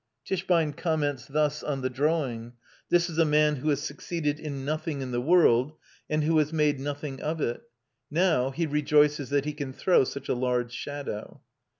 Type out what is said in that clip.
Tischbein comments thus on the drawing: "This is a man who has succeeded in nothing in the world, and who has made nothing of it; now he rejoices that he can throw such a large shadow."